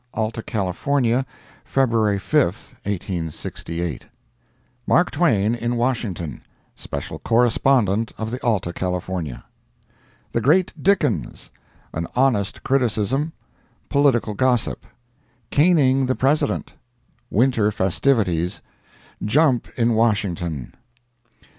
Alta California, February 5, 1868 MARK TWAIN IN WASHINGTON [SPECIAL CORRESPONDENT OF THE ALTA CALIFORNIA.] The Great Dickens—An Honest Criticism—Political Gossip—Caning the President—Winter Festivities—Jump in Washington.